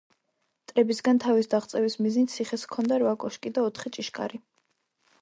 მტრებისგან თავის დაღწევის მიზნით ციხეს ჰქონდა რვა კოშკი და ოთხი ჭიშკარი.